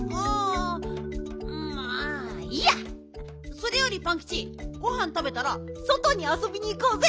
それよりパンキチごはんたべたらそとにあそびにいこうぜ！